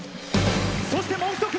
そして、もう一組。